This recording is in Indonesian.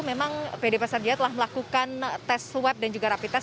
memang pd pasar jaya telah melakukan tes swab dan juga rapi tes